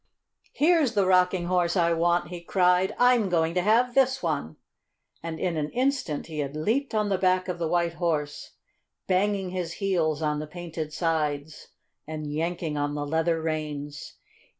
"Here's the Rocking Horse I want!" he cried. "I'm going to have this one!" And in an instant he had leaped on the back of the White Horse, banging his heels on the painted sides and yanking on the leather reins.